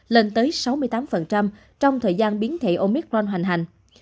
lên tới sáu mươi tám trong thời gian biến thể omicron hoành hành